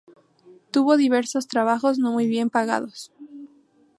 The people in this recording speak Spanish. Tuvo diversos trabajos no muy bien pagados.